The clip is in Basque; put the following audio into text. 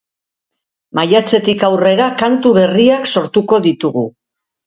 Maiatzetik aurrera, kantu berriak sortuko ditugu.